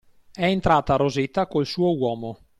È entrata Rosetta col suo uomo.